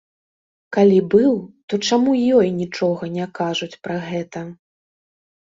Калі быў, то чаму ёй нічога не кажуць пра гэта?